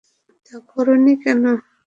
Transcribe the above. তা করোনি কেন?